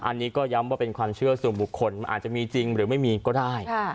อันนี้ก็ย้ำว่าเป็นความเชื่อส่วนบุคคลมันอาจจะมีจริงหรือไม่มีก็ได้